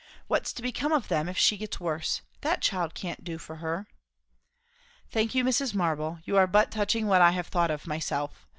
What's to become of them if she gets worse? That child can't do for her." "Thank you, Mrs. Marble; you are but touching what I have thought of myself.